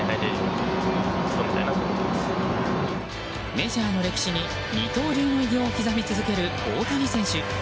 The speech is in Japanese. メジャーの歴史に二刀流の偉業を刻み続ける大谷選手。